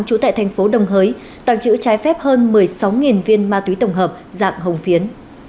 lê anh thắng trú tại thành phố đồng hới tàng trữ trái phép hơn một mươi sáu viên ma túy tổng hợp dạng hồng phiến